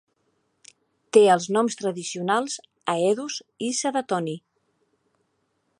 Té els noms tradicionals Haedus i Sadatoni.